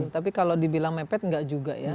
tapi kalau dibilang mepet nggak juga ya